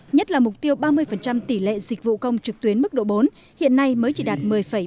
nhất là mục tiêu ba mươi tỷ lệ dịch vụ công trực tuyến mức độ bốn hiện nay mới chỉ đạt một mươi bảy